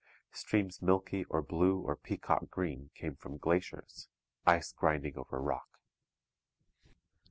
Streams milky or blue or peacock green came from glaciers ice grinding over rock.